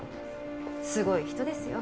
すごい人ですよ。